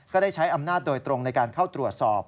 ได้ใช้อำนาจโดยตรงในการเข้าตรวจสอบ